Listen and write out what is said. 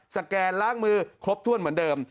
แกนล้างมือครบถ้วนเหมือนเดิม